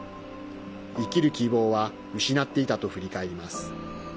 生きる希望は失っていたと振り返ります。